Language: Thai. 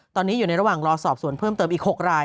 ตอนนี้อยู่ในระหว่างรอสอบสวนเพิ่มเติมอีก๖ราย